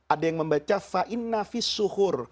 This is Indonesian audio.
ada yang membaca fa'innafis suhur